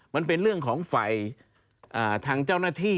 มันเป็นเรื่องของฝ่ายทางเจ้าหน้าที่